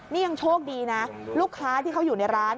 นี่ยังโชคดีนะลูกค้าที่เขาอยู่ในร้าน